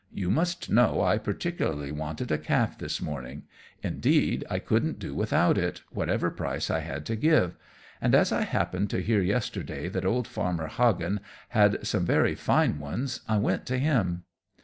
You must know I particularly wanted a calf this morning indeed, I couldn't do without it, whatever price I had to give; and as I happened to hear yesterday that old farmer Hagan had some very fine ones, I went to him.